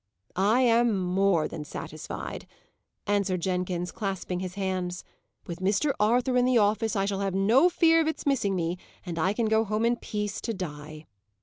"I am more than satisfied," answered Jenkins, clasping his hands. "With Mr. Arthur in the office, I shall have no fear of its missing me, and I can go home in peace, to die."